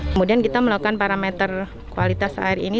kemudian kita melakukan parameter kualitas air ini